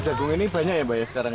jagung ini banyak ya sekarang